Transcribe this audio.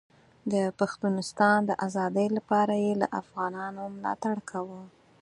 د پښتونستان د ازادۍ لپاره یې له افغانانو ملاتړ کاوه.